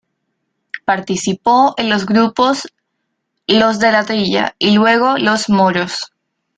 Participó en los grupos Los de la Trilla y luego Los Moros.